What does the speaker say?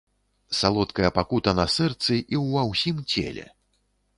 Салодкая пакута на сэрцы і ўва ўсім целе.